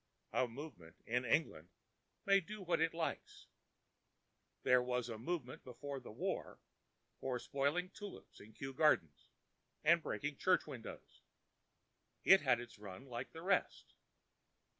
A Movement in England may do what it likes: there was a Movement, before the War, for spoiling tulips in Kew Gardens and breaking church windows; it had its run like the rest.